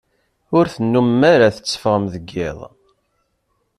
Ur tennumem ara tetteffɣem deg iḍ.